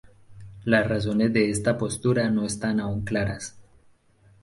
Las razones de esta postura no están aún claras.